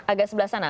agak sebelah sana